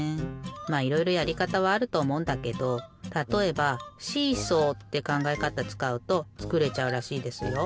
まあいろいろやりかたはあるとおもうんだけどたとえばシーソーってかんがえ方つかうとつくれちゃうらしいですよ。